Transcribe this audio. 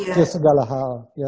ke segala hal